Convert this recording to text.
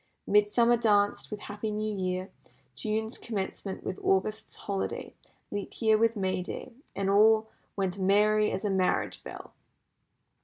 Midsummer danced with Happy New Year, June's Commencement with August's Holiday, Leap Year with May Day, and all "went merry as a marriage bell."